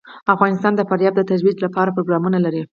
افغانستان د فاریاب د ترویج لپاره پروګرامونه لري.